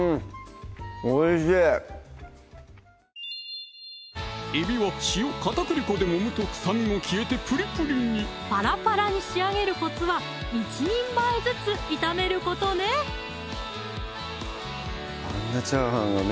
おいしいえびは塩・片栗粉でもむと臭みも消えてプリプリにパラパラに仕上げるコツは１人前ずつ炒めることねあんなチャーハンがね